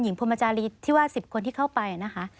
พรมจารีที่ว่า๑๐คนที่เข้าไปนะคะ